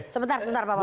sebentar sebentar bapak